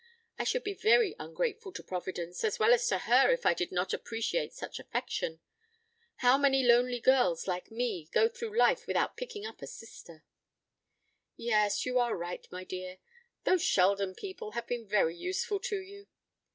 I should be very ungrateful to Providence as well as to her if I did not appreciate such affection. How many lonely girls, like me, go through life without picking up a sister?" "Yes, you are right, my dear. Those Sheldon people have been very useful to you.